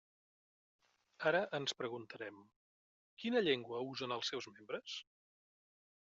Ara ens preguntarem: ¿quina llengua usen els seus membres?